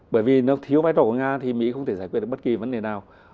bởi vì nếu thiếu vai trò của nga thì mỹ không thể giải quyết được bất kỳ vấn đề nào